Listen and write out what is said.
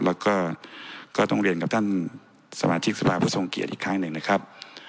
แล้วก็ก็ต้องเรียนกับท่านสมาชิกสภาผู้ทรงเกียจอีกครั้งหนึ่งนะครับ